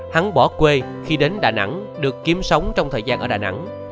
hắn bỏ quê khi đến đà nẵng được kiếm sống trong thời gian ở đà nẵng